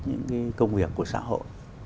những cái công việc của xã hội